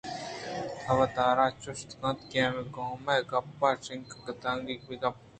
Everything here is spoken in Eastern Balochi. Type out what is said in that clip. تو وتارا چُش کُتگ؟ کہ گوٛمے گپّ ءَ شپانک ءَکانگی گپت